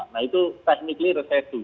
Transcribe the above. nah itu tekniknya resesi